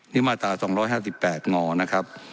นี่มาตรา๒๕๘งนะครับ